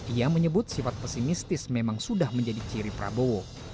ia menyebut sifat pesimistis memang sudah menjadi ciri prabowo